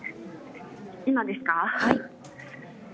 今ですか。